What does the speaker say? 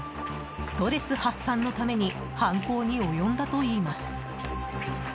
ストレス発散のために犯行に及んだといいます。